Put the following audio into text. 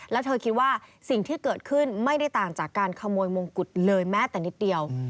แล้วเธอคิดว่าสิ่งที่เกิดขึ้นไม่ได้ต่างจากการขโมยมงกุฎเลยแม้แต่นิดเดียว